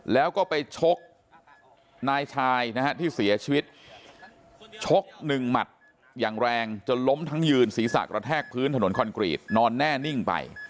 แล้วก็ไปชกนายชายนะฮะที่เสียชีวิตชกหนึ่งหมัดอย่างแรงจนล้มทั้งยืนศีรษะกระแทกพื้นถนนคอนกรีตนอนแน่นิ่งไป